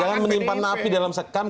jangan menimpan napi dalam sekam